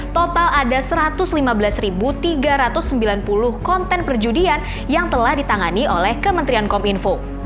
total ada satu ratus lima belas tiga ratus sembilan puluh konten perjudian yang telah ditangani oleh kementerian kominfo